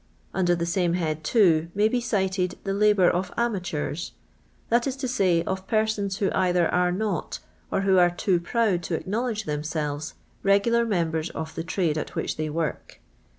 Under the same head, too, may be cited the labour of amateurs, that is to say, of persons who either are not, or who are too proud to acknowledge themselves, regular members of the trade at which they work.